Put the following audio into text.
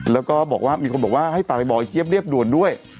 แล้วก็บอกว่ามีคนบอกว่าให้ฝากไปบอกไอเจี๊ยเรียบด่วนด้วย